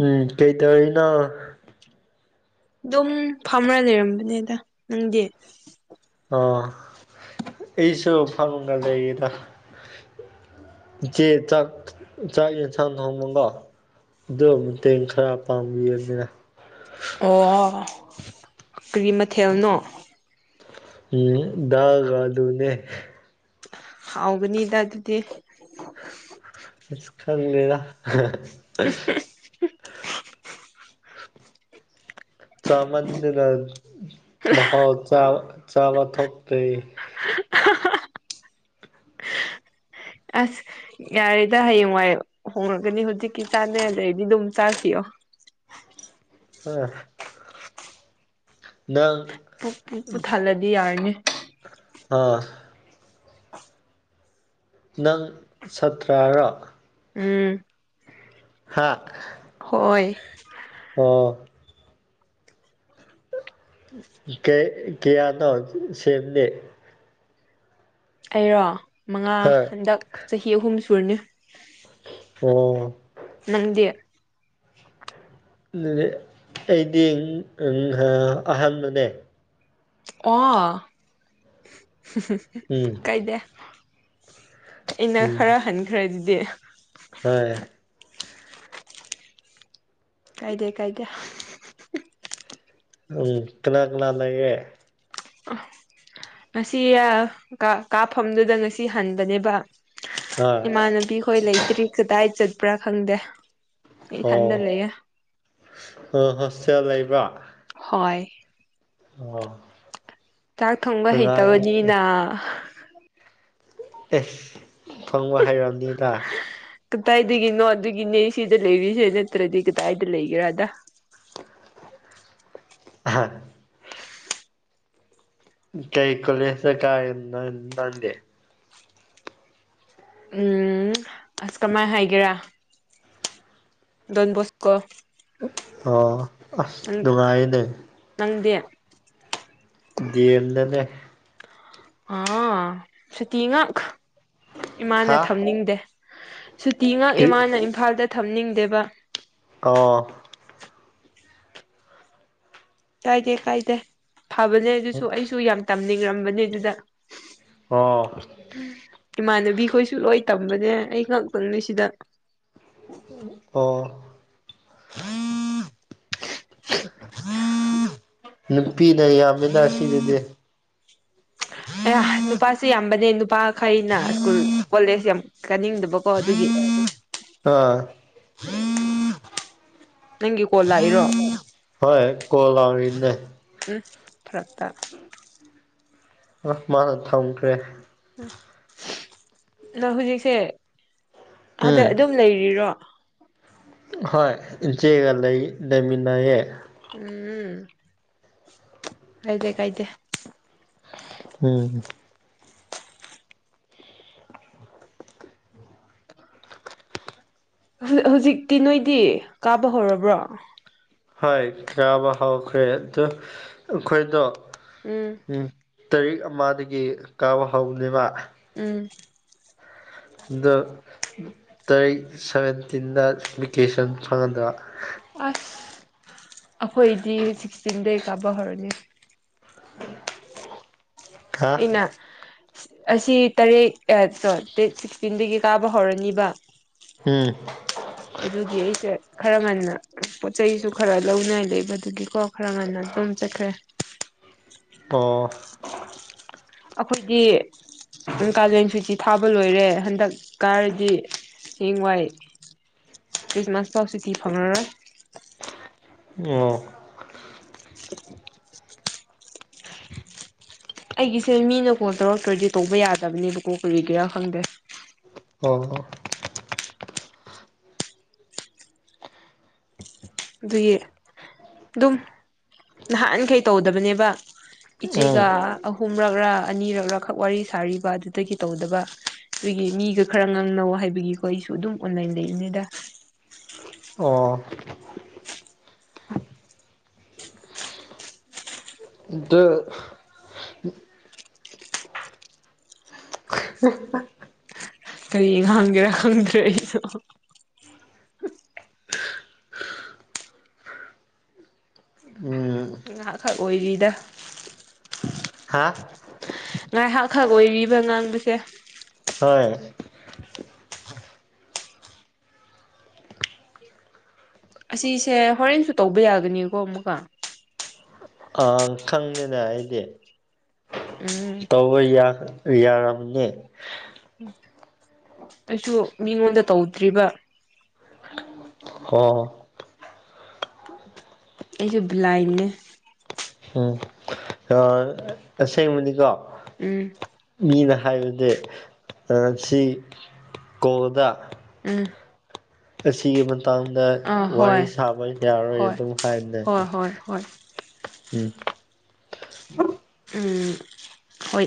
ꯎꯝ ꯀꯩꯇꯧꯔꯤꯅꯣ ꯑꯗꯨꯝ ꯐꯝꯔ ꯂꯩꯔꯝꯕꯅꯦꯗ ꯅꯪꯗꯤ ꯑꯣ ꯑꯩꯁꯨ ꯐꯥꯔꯨꯡꯗ ꯂꯩꯗ ꯏꯆꯦ ꯆꯥꯛ ꯆꯥꯛ ꯌꯦꯟꯁꯥꯡ ꯊꯣꯡꯉꯕꯣ ꯑꯗꯣ ꯃꯇꯦꯡ ꯈꯔ ꯄꯥꯡꯕꯤꯌꯣꯗꯅ ꯑꯣ ꯀ꯭ꯔꯤ ꯃꯊꯦꯜꯅꯣ ꯎꯝ ꯗꯥꯜꯒ ꯑꯂꯨꯅꯦ ꯍꯥꯎꯒꯅꯤꯗ ꯑꯗꯨꯗꯤ ꯑꯁ ꯈꯪꯒꯦꯗ ꯆꯥꯃꯟꯗꯅ ꯃꯍꯥꯎ ꯆꯥ ꯆꯥꯕ ꯊꯣꯛꯇꯔ꯭ꯦ ꯑꯍꯥ ꯍꯥ ꯍ [unintelligible] ꯑꯁ ꯌꯥꯔꯦꯗ ꯍꯌꯦꯡꯋꯥꯏ ꯍꯣꯡꯉꯛꯒꯅꯤ ꯍꯧꯖꯤꯛꯀꯤ ꯆꯥꯅꯤꯉꯥꯏ ꯂꯩꯗꯤ ꯑꯗꯨꯝ ꯆꯥꯈꯤꯌꯣ ꯅꯪ ꯄꯨꯛ ꯄꯨ ꯄꯨꯊꯜꯂꯗꯤ ꯌꯥꯔꯅꯤ ꯑꯥ [inaudible] ꯅꯪ ꯁꯥꯠꯇ꯭ꯔꯥꯔꯣ ꯎꯝ ꯍꯥꯥꯛ ꯍꯣꯏ ꯑꯣ ꯀꯩ ꯀꯌꯥꯅꯣ ꯁꯦꯝꯗꯤ ꯑꯩꯔꯣ ꯃꯉꯥ ꯍꯣꯏ ꯍꯟꯗꯛ ꯆꯍꯤ ꯑꯍꯨꯝ ꯁꯨꯔꯅꯤ ꯑꯣ ꯅꯪꯗꯤ ꯑꯩꯗꯤ ꯑꯍꯥꯟꯕꯅꯦ ꯑꯣ ꯎꯝ ꯀꯥꯏꯗ ꯑꯩꯅ ꯎꯝ ꯈꯔ ꯍꯟꯈ꯭ꯔꯦ ꯑꯗꯨꯗꯤ ꯍꯣꯏ ꯀꯥꯏꯗꯦ ꯀꯥꯏꯗꯦ ꯎꯝ ꯀꯅꯥ ꯀꯅꯥ ꯂꯩꯑꯦ ꯉꯁꯤ ꯀꯥꯞꯐꯝꯗꯨꯗ ꯉꯁꯤ ꯍꯟꯕꯅꯦꯕ ꯍꯣꯏ ꯏꯃꯥꯟꯅꯕꯤꯈꯣꯏ ꯂꯩꯇ꯭ꯔꯤ ꯀꯗꯥꯏ ꯆꯠꯄ꯭ꯔꯥ ꯈꯪꯗꯦ ꯏꯊꯟꯗ ꯑꯣ ꯂꯩꯌꯦ ꯑꯣ ꯍꯣꯁꯇꯦꯜ ꯂꯩꯕ꯭ꯔ ꯍꯣꯏ ꯑꯣ ꯆꯥꯛ ꯊꯣꯡꯕ ꯅꯨꯡꯉꯥꯏ ꯍꯩꯇꯕꯅꯤꯅꯥ ꯑꯦꯁ ꯊꫭꯡꯕ ꯍꯩꯔꯝꯅꯤꯗ ꯀꯗꯥꯏꯗꯒꯤꯅꯣ ꯑꯗꯨꯒꯤꯅꯦ ꯁꯤꯗ ꯂꯩꯔꯤꯁꯦ ꯅꯠꯇ꯭ꯔꯗꯤ ꯀꯗꯥꯏꯗ ꯂꯩꯒꯦꯔꯗ ꯍꯥ ꯀꯩ ꯀꯣꯂꯦꯁꯇ ꯀꯔꯤꯅꯣ ꯅꯪꯗꯤ ꯎꯝ ꯑꯁ ꯀꯃꯥꯏ ꯍꯥꯏꯒꯦꯔꯥ ꯗꯣꯟꯕꯣꯁꯀꯣ ꯑꯣ ꯑꯁ ꯅꯨꯡꯉꯥꯏꯅꯦ ꯅꯪꯗꯦ ꯗꯤꯌꯦꯝ ꯗꯅꯦ ꯑꯥ ꯁꯨꯇꯤ ꯉꯥꯛ ꯏꯃꯥꯅ ꯍꯥ ꯊꯝꯅꯤꯡꯗꯦ ꯁꯨꯇꯤ ꯉꯥꯛ ꯀꯔꯤ ꯏꯃꯥꯅ ꯏꯝꯐꯥꯜꯗ ꯊꯝꯅꯤꯡꯗꯦꯕ ꯑꯣ ꯀꯥꯏꯗꯦ ꯀꯥꯏꯗꯦ ꯐꯕꯅꯦ ꯑꯗꯨꯁꯨ ꯑꯩꯁꯨ ꯌꯥꯝ ꯇꯝꯅꯤꯡꯔꯝꯕꯅꯦ ꯑꯗꯨꯗ ꯑꯣ ꯏꯃꯥꯟꯅꯕꯤ ꯈꯣꯏꯁꯨ ꯂꯣꯏ ꯇꯝꯕꯅꯦ ꯑꯩ ꯉꯥꯛꯇꯪꯅꯤ ꯁꯤꯗ ꯑꯣ ꯅꯨꯄꯤꯅ ꯌꯥꯝꯃꯤꯅ ꯑꯁꯤꯗꯗꯤ ꯑꯌꯥ ꯅꯨꯄꯥꯁꯦ ꯌꯥꯝꯕꯅꯦ ꯅꯨꯄꯥꯈꯩꯅ ꯁ꯭ꯀꯨꯜ ꯀꯣꯂꯦꯖ ꯌꯥꯝ ꯀꯥꯅꯤꯡꯗꯕꯀꯣ ꯑꯗꯨꯒꯤ ꯑꯥ ꯅꯪꯒꯤ ꯀꯣꯜ ꯂꯥꯛꯏꯔꯣ ꯍꯣꯏ ꯀꯣꯜ ꯂꯥꯛꯔꯤꯕꯅꯦ ꯎꯝ ꯐꯔꯛꯇ ꯑ ꯃꯥꯅ ꯊꯝꯈ꯭ꯔꯦ ꯑ ꯅꯥ ꯍꯧꯖꯤꯛꯁꯦ ꯑꯥꯗ ꯎꯝ ꯑꯗꯨꯝ ꯂꯩꯔꯤꯔꯣ ꯍꯣꯏ ꯏꯆꯦꯒ ꯂꯩ ꯂꯩꯃꯤꯟꯅꯩꯌꯦ ꯎꯝ ꯀꯥꯏꯗ ꯀꯥꯏꯗꯦ ꯎꯝ ꯍꯧ ꯍꯧꯖꯤꯛꯇꯤ ꯅꯣꯏꯗꯤ ꯀꯥꯕ ꯍꯧꯔꯕ꯭ꯔꯣ ꯍꯣꯏ ꯀꯥꯕ ꯍꯧꯈ꯭ꯔꯦ ꯑꯗꯣ ꯑꯩꯈꯣꯏꯗꯣ ꯎꯝ ꯎꯝ ꯇꯥꯔꯤꯛ ꯑꯃꯥꯗꯒꯤ ꯀꯥꯕ ꯍꯧꯅꯦꯕ ꯎꯝ ꯑꯗꯣ ꯇꯥꯔꯤꯛ ꯁꯚꯦꯟꯇꯤꯟꯗ ꯚꯦꯀꯦꯁꯟ ꯐꯪꯉꯟꯗ ꯑ꯭ꯥꯁ ꯑꯈꯣꯏꯗꯤ ꯁꯤꯛꯁꯇꯤꯟꯗꯩ ꯀꯥꯕ ꯍꯧꯔꯅꯤ [unintelligible] ꯍꯥ ꯑꯩꯅ ꯁꯤꯠ ꯑꯁꯤ ꯇꯔꯦꯠ ꯑ ꯇꯣ ꯗꯦꯠ ꯁꯤꯛꯁꯇꯤꯟꯗꯒꯤ ꯀꯥꯕ ꯍꯧꯔꯅꯤꯕ ꯎꯝ ꯑꯗꯨꯒꯤ ꯑꯩꯁꯦ ꯈꯔ ꯉꯟꯅ ꯄꯣꯠ ꯆꯩꯖꯨ ꯈꯔ ꯂꯧꯅꯥꯏ ꯂꯩꯕ ꯑꯗꯨꯒꯤꯀꯣ ꯈꯔ ꯉꯟꯅ ꯑꯗꯨꯝ ꯆꯠꯈ꯭ꯔꯦ ꯄꯣ ꯑꯈꯣꯏꯗꯤ ꯀꯥꯂꯦꯟ ꯁꯨꯇꯤ ꯊꯥꯕ ꯂꯣꯏꯔꯦ ꯍꯟꯗꯛ ꯀꯥꯔꯗꯤ ꯍꯌꯦꯡ ꯋꯥꯏ ꯈ꯭ꯔ꯭ꯤꯁꯃ꯭ꯥꯁ ꯐꯥꯎ ꯁꯨꯇꯤ ꯐꯪꯉꯔꯣꯏ ꯃꯣ ꯑꯩꯒꯤꯁꯦ ꯃꯤꯅ ꯀꯣꯟꯜ ꯇꯧꯔꯛꯇ꯭ꯔꯗꯤ ꯇꯧꯕ ꯌꯥꯗꯕꯅꯦꯕꯀꯣ ꯀꯩꯒꯦꯔꯥ ꯈꯪꯗꯦ ꯑꯣ ꯒꯣ ꯑꯗꯨꯒꯤ ꯑꯗꯨꯝ ꯅꯍꯥꯟꯈꯩ ꯇꯧꯗꯕꯅꯦꯕ ꯎꯝ ꯏꯆꯦꯒ ꯑꯍꯨꯝꯔꯛꯔ ꯑꯅꯤꯔꯛꯔ ꯈꯛ ꯋꯥꯔꯤ ꯁꯥꯔꯤꯕ ꯑꯗꯨꯗꯒꯤ ꯇꯧꯗꯕ ꯈꯣꯏꯒꯤ ꯃꯤꯒ ꯈꯔ ꯉꯥꯡꯅꯧ ꯍꯥꯏꯕꯒꯤꯀꯣ ꯑꯩꯁꯨ ꯑꯗꯨꯝ ꯑꯣꯟꯂꯥꯏꯟ ꯂꯩꯔꯤꯅꯦꯗ ꯑꯣ ꯑꯗꯨ ꯀꯔꯤ ꯍꯪꯒꯦꯔꯥ ꯈꯪꯗ꯭ꯔꯦ ꯑꯩꯁꯨ ꯎꯝ ꯃꯉꯥꯈꯛ ꯑꯣꯏꯔꯤꯗ ꯍꯥ ꯉꯥꯏꯍꯥꯛꯈꯛ ꯑꯣꯏꯔꯤꯕ ꯉꯥꯡꯕꯁꯦ ꯍꯣꯏ ꯑꯁꯤꯁꯦ ꯍꯣꯔꯦꯟꯁꯨ ꯇꯧꯕ ꯌꯥꯒꯅꯤꯀꯣ ꯑꯃꯨꯛꯀ ꯑ ꯈꯪꯅꯤꯅꯦ ꯀꯥꯏꯗꯦ ꯎꯝ ꯏꯇꯥꯎ ꯍꯣꯏ ꯌꯥ ꯌꯥꯔꯝꯅꯤ ꯑꯩꯁꯨ ꯃꯤꯉꯣꯟꯗ ꯇꯧꯗ꯭ꯔꯤꯕ ꯍ ꯑꯩꯖꯨ ꯕ꯭ꯂꯥꯏꯟꯅꯦ ꯎꯝ ꯑ ꯑꯁꯦꯡꯕꯗꯤꯀꯣ ꯎꯝ ꯃꯤꯅ ꯍꯥꯏꯕꯗꯤ ꯁꯤ ꯀꯗ ꯎꯝ ꯑꯁꯤꯒꯤ ꯃꯇꯥꯡꯗ ꯑꯥ ꯋꯥꯔꯤ ꯍꯣꯏ ꯁꯥꯕ ꯌꯥꯔꯣꯏ ꯍꯣꯏ ꯑꯗꯨꯝ ꯍꯥꯏꯅꯩ ꯍꯣꯏ ꯍꯣꯏ ꯍꯣꯏ ꯎꯝ ꯎꯝ ꯍꯣꯏ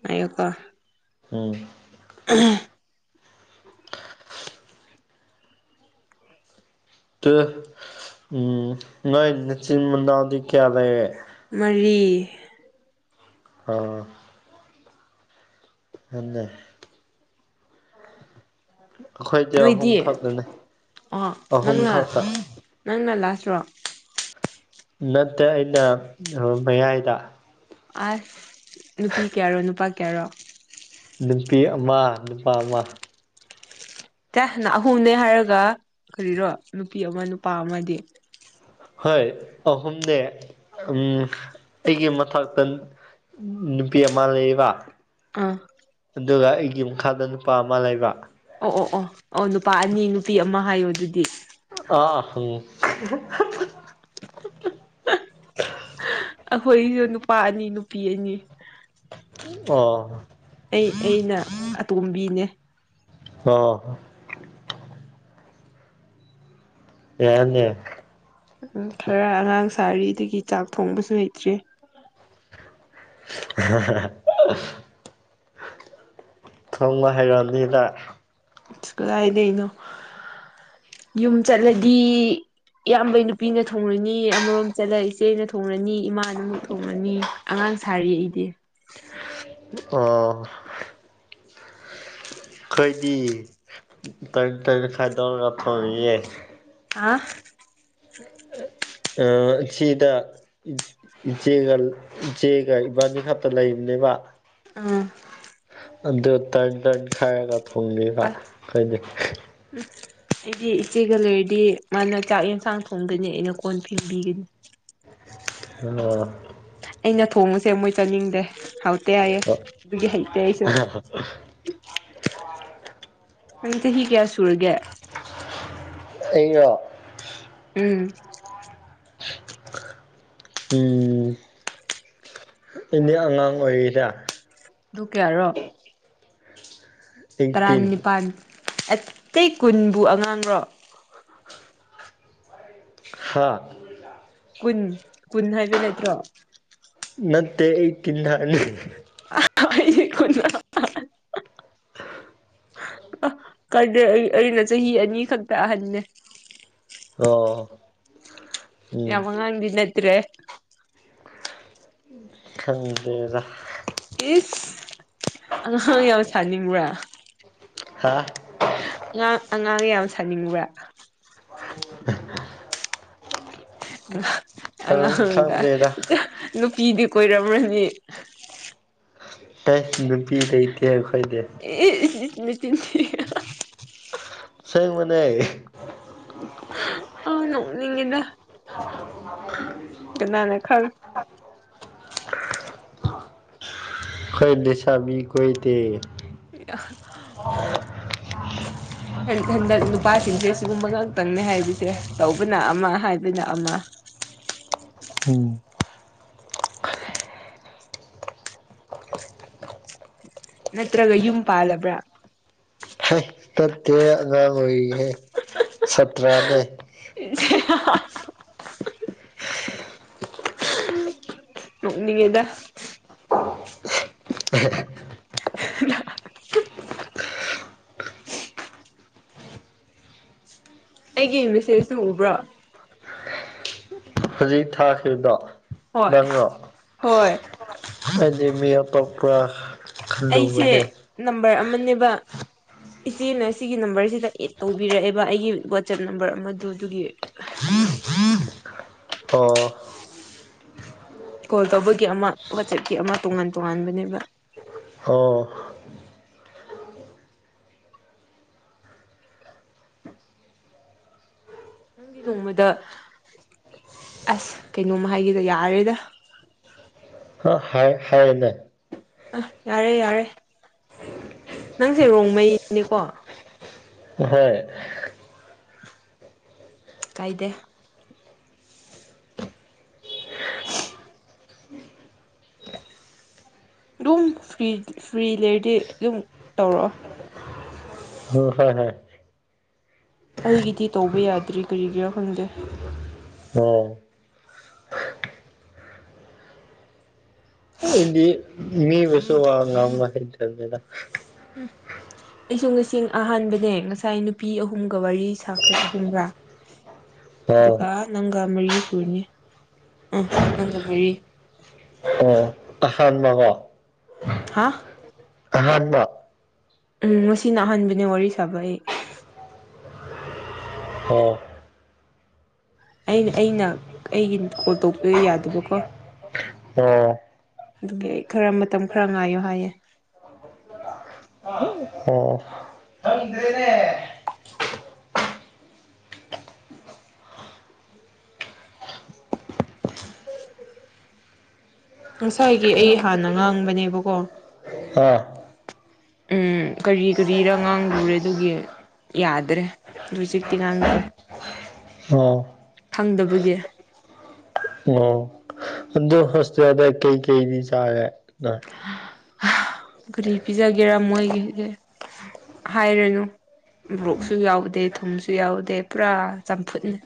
ꯉꯥꯏꯌꯣꯀꯣ ꯎꯝ ꯎꯝ ꯇ ꯎꯝ ꯅꯣꯏ ꯃꯆꯤꯟ ꯃꯅꯥꯎꯗꯤ ꯀꯌꯥ ꯂꯩꯦ ꯃꯔꯤ ꯍꯥ ꯍꯟꯅ ꯑꯩꯈꯣꯏꯗꯤ ꯑꯍꯨꯝ ꯅꯣꯏꯗꯤ ꯈꯛꯇꯅꯦ ꯑꯣ ꯑꯍꯨꯝ ꯅꯪꯅ ꯈꯛꯇ ꯅꯪꯅ ꯂꯥꯁꯔꯣ ꯅꯠꯇꯦ ꯑꯩꯅ ꯃꯌꯥꯏꯗ ꯑꯥꯁ ꯅꯨꯄꯤ ꯀ꯭ꯌꯥꯔꯣ ꯅꯨꯄꯥ ꯀ꯭ꯌꯥꯔꯣ ꯅꯨꯄꯤ ꯑꯃꯥ ꯅꯨꯄꯥ ꯑꯃ ꯑꯦ ꯑꯍꯨꯝꯅꯦ ꯍꯥꯏꯔꯒ ꯀꯔꯤꯔꯣ ꯅꯨꯄꯤ ꯑꯃ ꯅꯨꯄꯥ ꯑꯃꯗꯤ ꯍꯣꯏ ꯑꯍꯨꯝꯅꯦ ꯑꯩꯒꯤ ꯃꯊꯛꯇ ꯅꯨꯄꯤ ꯑꯃ ꯂꯩꯕ ꯑꯥ ꯑꯗꯨꯒ ꯑꯩꯒꯤ ꯃꯈꯥꯗ ꯅꯨꯄꯥ ꯑꯃ ꯂꯩꯕ ꯑꯣ ꯑꯣ ꯑꯣ ꯑꯣ ꯅꯨꯄꯥ ꯑꯅꯤ ꯅꯨꯄꯤ ꯑꯃ ꯍꯥꯏꯌꯣ ꯑꯗꯨꯗꯤ ꯑ ꯑ ꯍꯪꯉꯨ [inaudible] ꯑꯩꯈꯣꯏꯁꯨ ꯅꯨꯄꯥ ꯑꯅꯤ ꯅꯨꯄꯤ ꯑꯅꯤ ꯑꯣ ꯑꯩ ꯑꯩꯅ ꯑꯇꯣꯝꯕꯤꯅꯦ ꯍꯥ ꯑꯦꯟꯅ [unintelligible] ꯈꯔ ꯑꯉꯥꯡ ꯁꯥꯔꯤ ꯑꯗꯒꯤ ꯆꯥꯛ ꯊꯣꯡꯕꯁꯨ ꯍꯩꯇ꯭ꯔꯤ [unintelligible] ꯊꯣꯡꯕ ꯍꯩꯔꯝꯅꯤꯗ ꯀꯗꯥꯏꯗꯩꯅꯣ ꯌꯨꯝ ꯆꯠꯂꯗꯤ ꯏꯌꯥꯝꯕꯩ ꯅꯨꯄꯤꯅ ꯊꯣꯡꯂꯅꯤ ꯑꯃꯔꯣꯝ ꯆꯠꯂ ꯏꯆꯦꯅ ꯊꯣꯡꯂꯅꯤ ꯏꯃꯥꯅ ꯑꯃꯨꯛ ꯊꯣꯡꯂꯅꯤ ꯑꯉꯥꯡ ꯁꯥꯔꯤ ꯑꯩꯗꯤ ꯑꯣ ꯑꯩꯈꯩꯗꯤ ꯇꯔꯤꯠ ꯇꯔꯤꯠ ꯈꯥꯏꯗꯧꯅꯒ ꯊ‌ꯣꯡꯉꯤꯌꯦ ꯍꯥ ꯑ ꯁꯤꯗ ꯏꯆꯦꯒ ꯏꯕꯥꯅꯤ ꯈꯛꯇ ꯂꯩꯕꯅꯦꯕ ꯑꯥ ꯑꯗ ꯇꯔꯟ ꯇꯔꯟ ꯈꯒ ꯊꯣꯡꯉ‌ꯦꯕ ꯑꯁ ꯀꯩ [unintelligible] ꯎꯝ ꯑꯩꯗꯤ ꯏꯆꯦꯒ ꯂꯩꯔꯗꯤ ꯃꯥꯅ ꯆꯥꯛ ꯌꯦꯟꯁꯥꯡ ꯊꯣꯡꯒꯅꯤ ꯑꯩꯅ ꯀꯣꯟ ꯐꯤꯡꯕꯤꯒꯅꯤ [unintelligible] ꯑꯩꯅ ꯊꯣꯡꯉꯁꯦ ꯃꯣꯏ ꯆꯥꯅꯤꯡꯗꯦ ꯍꯥꯎꯇꯦ ꯍꯥꯏꯑꯦ ꯑꯗꯨꯒꯤ ꯍꯩꯇꯦ ꯑꯩꯁꯨ ꯑ [unintelligible] ꯅꯪꯗꯤ ꯆꯥꯍꯤ ꯀꯌꯥ ꯁꯨꯨꯔꯒꯦ ꯑꯩꯔꯣ ꯎꯝ ꯎꯝ ꯅꯦꯗꯤ ꯑꯉꯥꯡ ꯑꯣꯏꯔꯤꯗ ꯗꯨ ꯀꯌꯥꯔꯣ ꯑꯩꯠꯇꯤꯟ ꯇꯔꯥꯅꯤꯄꯥꯜ ꯑꯇꯩ ꯀꯨꯟꯕꯨ ꯑꯉꯥꯡꯔꯣ ꯍꯥꯥ ꯀꯨꯟ ꯀꯨꯟ ꯍꯥꯏꯕ ꯅꯠꯇ꯭ꯔꯣ ꯅꯠꯇꯦ ꯑꯩ ꯀꯤꯟ ꯍꯥꯏꯕꯅꯤ ꯑ ꯈꯨ [unintelligible] ꯑ ꯀꯥꯏꯗꯩꯩ ꯑꯩꯅ ꯆꯍꯤ ꯑꯅꯤ ꯈꯛꯇ ꯑꯍꯟꯅꯦ ꯑꯣ ꯎꯝ ꯌꯝ ꯑꯉꯥꯡꯗꯤ ꯅꯠꯇ꯭ꯔꯦ ꯈꯪꯗꯦꯗ ꯏꯁ ꯑꯉꯥꯡ ꯌꯥꯎ ꯁꯥꯅꯤꯡꯕ꯭ꯔꯥ ꯍꯥꯥ ꯏꯉꯥꯡ ꯑꯉꯥꯡ ꯌꯥꯝ ꯁꯥꯅꯤꯡꯕ꯭ꯔꯥ [unintelligible] ꯈꯪ ꯑꯉꯥꯡꯗ ꯈꯪꯗ꯭ꯔꯦꯗ ꯅꯨꯄꯤꯗꯤ ꯀꯣꯏꯔꯝꯔꯅꯤ ꯇꯁ ꯅꯨꯄꯤ ꯂꯩꯇꯦ ꯑꯩꯈꯣꯏꯗꯤ ꯏꯁ- ꯏꯁ ꯅꯆꯤꯟ ꯊꯤꯅꯨ ꯑꯁꯦꯡꯕꯅꯦ ꯑ ꯅꯣꯛꯅꯤꯡꯉꯤꯗ ꯀꯅꯥꯅ ꯈꯪ ꯈꯣꯏ ꯂꯩꯁꯥꯕꯤ ꯀꯣꯏꯗꯦ ꯑꯣ [inaudible] ꯍꯟꯗꯛ ꯅꯨꯄꯥꯁꯤꯡꯁꯦ ꯁꯤꯒꯨꯝꯕ ꯉꯥꯛꯇꯪꯅꯦ ꯍꯥꯏꯔꯤꯁꯦ ꯇꯧꯕꯅ ꯑꯃ ꯍꯥꯏꯗꯅ ꯑꯃ ꯍꯨꯡ ꯅꯠꯇ꯭ꯔꯒ ꯌꯨꯝ ꯄꯥꯜꯂꯕ꯭ꯔꯥ ꯆꯠꯇꯦ ꯑꯉꯥꯡ ꯑꯣꯏꯔꯤꯍꯦ ꯁꯥꯇꯔ꯭ ꯅꯦ [inaudible] ꯅꯣꯛꯅꯤꯡꯉꯦꯗ ꯑ [unintelligible] [inaudible] ꯑꯩꯒꯤ ꯃꯦꯁꯦꯖꯁꯨ ꯎꯕ꯭ꯔꯣ [inaudible] ꯍꯧꯖꯤꯛ ꯊꯥꯈꯤꯕꯗꯣ ꯍꯣꯏ ꯅꯪꯔꯣ ꯍꯣꯏ ꯍꯥꯏꯗꯤ ꯃꯤ ꯑꯇꯣꯛꯄ꯭ꯔ ꯑꯩꯁꯦ ꯅꯝꯕꯔ ꯑꯃꯅꯦꯕ ꯏꯆꯦꯅ ꯁꯤꯒꯤ ꯅꯝꯕꯔꯁꯤꯗ ꯑꯦꯠ ꯇꯧꯕꯤꯔꯛꯑꯦꯕ ꯑꯩꯒꯤ ꯋꯥꯆꯞ ꯅꯝꯕꯔ ꯑꯃꯗ ꯑꯗꯨꯒꯤ ꯑꯣ ꯀꯣꯜ ꯇꯧꯕꯒꯤ ꯑꯃ ꯋꯥꯆꯦꯠꯀꯤ ꯑꯃ ꯇꯣꯉꯥꯟ ꯇꯣꯉꯥꯟꯕꯅꯦꯕ ꯑꯣ ꯅꯪꯒꯤ ꯅꯣꯡꯃꯗ ꯑꯁ ꯀꯩꯅꯣꯝꯃ ꯍꯥꯏꯒꯦꯗ ꯌꯥꯔꯦꯗ ꯍꯥꯏ ꯍꯥꯏꯅꯦ ꯌꯥꯔꯦ ꯌꯥꯔꯦ ꯅꯪꯁꯦ ꯔꯣꯡꯃꯩꯅꯤꯀꯣ ꯍꯣꯏ ꯀꯥꯏꯗꯦ [unintelligible] ꯑꯗꯨꯝꯔꯤ ꯐ꯭ꯔꯤ ꯂꯩꯔꯗꯤ ꯑꯗꯨꯝ ꯇꯧꯔꯛꯑꯣ ꯎꯝ ꯍ ꯍ ꯑꯩꯒꯤꯗꯤ ꯇꯧꯕ ꯌꯥꯗ꯭ꯔꯤ ꯀꯔꯤꯒꯤꯔꯣ ꯈꯪꯗꯦ ꯑꯣ ꯏꯗꯤ ꯃꯤꯒꯁꯨ ꯋꯥ ꯉꯥꯡꯕ ꯍꯥꯇꯕꯅꯤꯗ ꯎꯝ ꯑꯩꯁꯨ ꯉꯁꯤ ꯑꯍꯥꯟꯕꯅꯦ ꯉꯁꯥꯏ ꯅꯨꯄꯤ ꯑꯍꯨꯝꯒ ꯋꯥꯔꯤ ꯁꯥꯈ꯭ꯔꯦ ꯑꯍꯨꯝꯒ꯭ꯔꯥ [inaudible] ꯑꯗꯨꯒ ꯅꯪꯒ ꯃꯔꯤ ꯁꯨꯔꯤꯅꯤ ꯑꯥ ꯅꯪꯒ ꯃꯔꯤ ꯑ ꯑꯍꯥꯟꯕꯃꯉꯣ ꯍꯥꯥ ꯑꯍꯥꯟꯕ ꯎꯝ ꯉꯁꯤꯅ ꯑꯍꯥꯟꯕꯅꯦ ꯋꯥꯔꯤ ꯁꯥꯕ ꯑꯩ [inaudible] ꯑꯩꯅ ꯑꯩꯅ ꯑꯩꯒꯤ ꯀꯣꯜ ꯇꯧꯕꯤꯌꯨ ꯌꯥꯗꯕꯀꯣ ꯑꯣ ꯑꯗꯨꯒꯤ ꯑꯩ ꯈꯔ ꯃꯇꯝ ꯈꯔ ꯉꯥꯏꯌꯣ ꯍꯥꯏꯌꯦ ꯑꯣ ꯉꯁꯥꯏꯒꯤ ꯑꯩ ꯍꯥꯟꯅ ꯉꯥꯡꯕꯅꯦꯕꯀꯣ [inaudible] ꯎꯝ ꯀꯔꯤ ꯀꯔꯤꯔꯥ ꯉꯥꯡꯂꯨꯔꯦ ꯑꯗꯨꯒꯤ ꯌꯥꯗ꯭ꯔꯦꯖꯤꯛꯇꯤ ꯉꯥꯡꯗ꯭ꯔꯦ ꯑꯣ ꯈꯪꯗꯕꯒꯤ ꯑꯣ ꯑꯗꯣ ꯍꯣꯁꯇꯦꯜꯗ ꯀꯩ ꯀꯩꯗꯤ ꯆꯥꯒꯦ ꯅꯣꯏ ꯀꯔꯤ ꯄꯤꯖꯒꯦꯔꯥ ꯃꯣꯏꯒꯤꯒꯦ ꯍꯥꯏꯔꯅꯨ ꯃꯣꯔꯣꯛꯁꯨ ꯌꯥꯎꯗꯦ ꯊꯨꯝꯁꯨ ꯌꯥꯎꯗꯦ ꯄꯨꯔꯥ ꯆꯝꯐꯨꯠꯅꯤ